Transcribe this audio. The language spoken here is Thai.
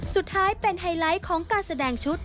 สุดท้ายเป็นไฮไลท์ของการแสดงชุด